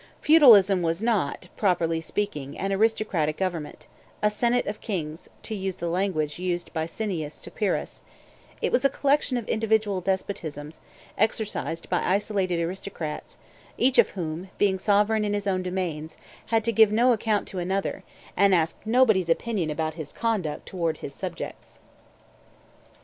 Feudalism was not, properly speaking, an aristocratic government, a senate of kings to use the language used by Cineas to Pyrrhus; it was a collection of individual despotisms, exercised by isolated aristocrats, each of whom, being sovereign in his own domains, had to give no account to another, and asked nobody's opinion about his conduct towards his subjects.